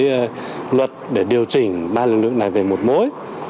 cái luật để điều chỉnh ba lực lượng này về một mối